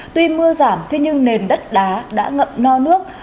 tuy mưa giảm thế nhưng nền đất đá đã ngậm no nước